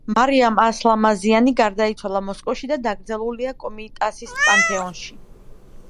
მარიამ ასლამაზიანი გარდაიცვალა მოსკოვში და დაკრძალულია კომიტასის პანთეონში.